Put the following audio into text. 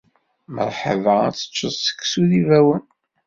Mreḥba ad teččeḍ seksu d ibawen.